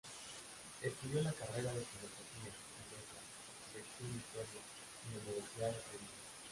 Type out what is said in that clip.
Estudió la carrera de Filosofía y Letras, sección Historia, en la Universidad de Sevilla.